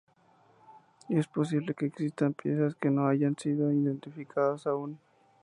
Es posible que existan piezas que no hayan sido identificadas aún.